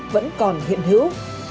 vẫn còn hiện hữu